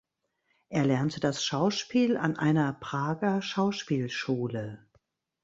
Er lernte das Schauspiel an einer Prager Schauspielschule.